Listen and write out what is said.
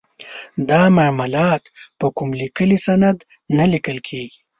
دا معاملات په کوم لیکلي سند نه لیکل کیږي.